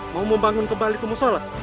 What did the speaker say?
mau membangun kembali itu musola